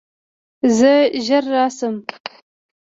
زه ژر راشم.